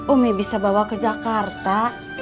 umi bisa bawa ke jakarta